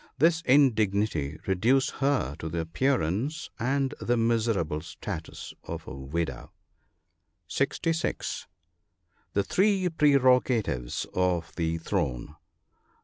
— This indignity reduced her to the appearance and the miserable status of a widow. (66.) The three prerogatives of the throne.